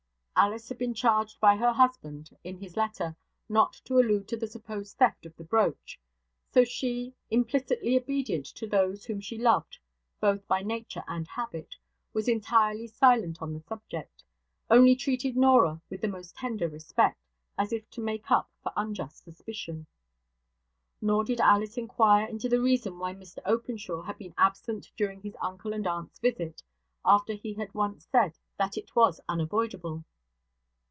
Alice had been charged by her husband, in his letter, not to allude to the supposed theft of the brooch; so she, implicitly obedient to those whom she loved both by nature and habit, was entirely silent on the subject, only treated Norah with the most tender respect, as if to make up for unjust suspicion. Nor did Alice inquire into the reason why Mr Openshaw had been absent during his uncle and aunt's visit, after he had once said that it was unavoidable.